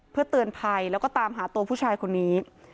เพื่อเตือนภัยแล้วก็ตามหาตัวผู้ชายคนนี้